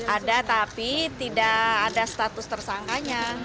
ada tapi tidak ada status tersangkanya